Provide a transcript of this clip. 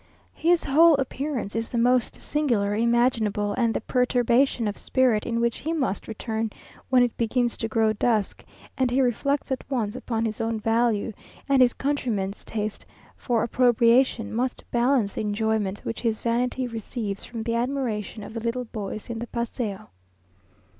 His whole appearance is the most singular imaginable, and the perturbation of spirit in which he must return when it begins to grow dusk, and he reflects at once upon his own value, and his countrymen's taste for appropriation, must balance the enjoyment which his vanity receives from the admiration of the little boys in the Paseo.